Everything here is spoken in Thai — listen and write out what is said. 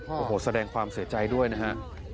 โอ้โหแสดงความเสียใจด้วยนะฮะ